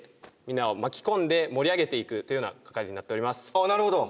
ああなるほど。